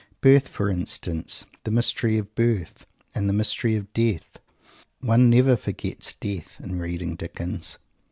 Birth, for instance the mystery of birth and the mystery of death. One never forgets death in reading Dickens.